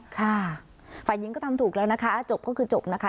ฝ่ายหญิงก็ทำถูกแล้วนะคะจบก็คือจบนะคะ